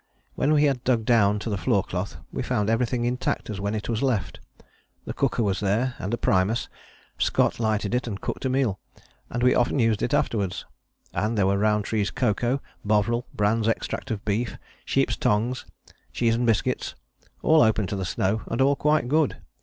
When we had dug down to the floor cloth we found everything intact as when it was left. The cooker was there and a primus Scott lighted it and cooked a meal; we often used it afterwards. And there were Rowntree's cocoa, Bovril, Brand's extract of beef, sheep's tongues, cheese and biscuits all open to the snow and all quite good.